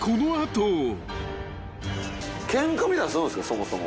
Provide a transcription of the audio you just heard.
そもそも。